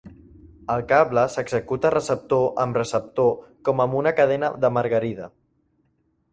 El cable s'executa receptor amb receptor com amb una cadena de margarida.